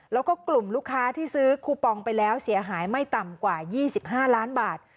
แล้วก็กลุ่มลูกค้าที่ซื้อคูปองไปแล้วเสียหายไม่ต่ำกว่า๒๕ล้านบาท